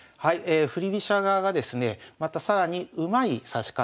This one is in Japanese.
振り飛車側がですねまた更にうまい指し方を見せます。